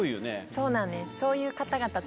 そうなんです。